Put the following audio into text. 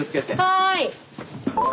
はい。